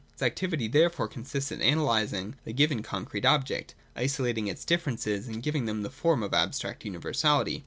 Its activity therefore consists in analysing the given concrete object, isolating its differences, and giving them the form of abstract univer sality.